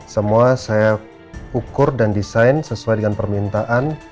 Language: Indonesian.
semua saya ukur dan desain sesuai dengan permintaan